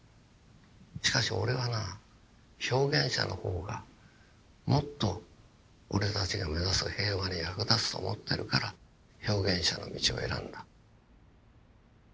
しかし俺はな表現者の方がもっと俺たちが目指す平和に役立つと思ってるから表現者の道を選んだ」。